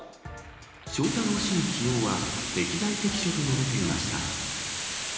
翔太郎氏の起用は、適材適所と述べていました。